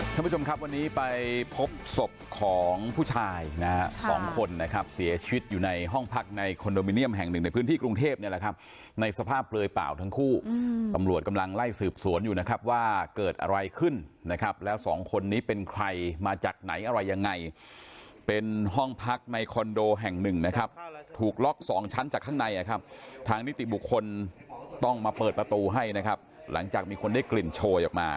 ท่านผู้ชมครับวันนี้ไปพบศพของผู้ชายนะฮะสองคนนะครับเสียชีวิตอยู่ในห้องพักในคอนโดมิเนียมแห่งหนึ่งในพื้นที่กรุงเทพเนี่ยแหละครับในสภาพเปลยเปล่าทั้งคู่อืมตำรวจกำลังไล่สืบสวนอยู่นะครับว่าเกิดอะไรขึ้นนะครับแล้วสองคนนี้เป็นใครมาจากไหนอะไรยังไงเป็นห้องพักในคอนโดแห่งหนึ่งนะครับถูกล็